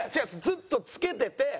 ずっとつけてて。